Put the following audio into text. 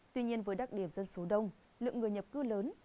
tuy nhiên với đặc điểm dân số đông lượng người nhập cư lớn